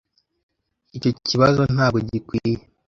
Icyo kibazo ntabwo gikwiye.